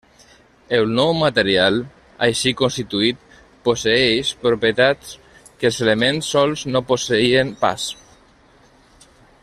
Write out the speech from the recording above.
El nou material així constituït posseeix propietats que els elements sols no posseïen pas.